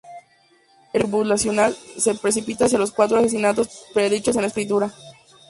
El Comando Tribulación se precipita hacia los cuatro asesinatos predichos en la Escritura.